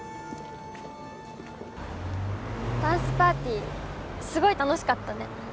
ダンスパーティーすごい楽しかったね